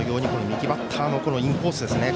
右バッターのインコース。